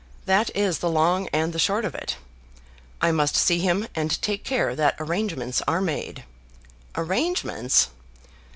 That is the long and the short of it. I must see him and take care that arrangements are made." "Arrangements!"